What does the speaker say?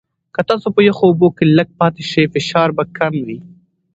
که تاسو په یخو اوبو کې لږ پاتې شئ، فشار به کم وي.